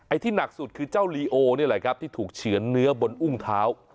ที่หนักสุดคือเจ้าลีโอนี่แหละครับที่ถูกเฉือนเนื้อบนอุ้งเท้า